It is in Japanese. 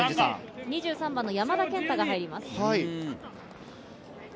２３番の山田兼大が入ります。